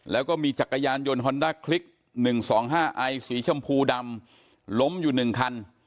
แล้วก็มีจักรยานยนต์ฮอนด้าคลิกหนึ่งสองห้าไอสีชมพูดำล้มอยู่หนึ่งคัน